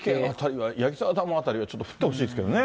矢木沢ダム辺りはちょっと降ってほしいですけどね。